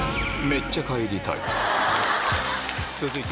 めっちゃ帰りたい。